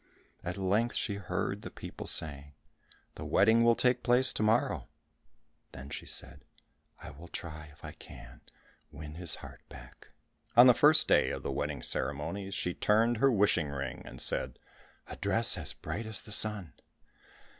At length she heard the people saying, "The wedding will take place to morrow." Then she said, "I will try if I can win his heart back." On the first day of the wedding ceremonies, she turned her wishing ring, and said, "A dress as bright as the sun."